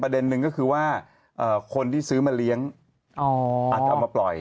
หนึ่งก็คือว่าคนที่ซื้อมาเลี้ยงอาจจะเอามาปล่อย